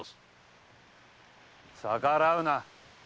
逆らうな！